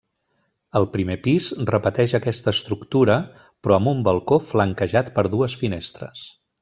El primer pis repeteix aquesta estructura però amb un balcó flanquejat per dues finestres.